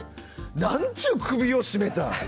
なんちゅう首を絞めた。